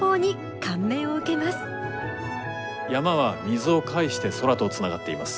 山は水を介して空とつながっています。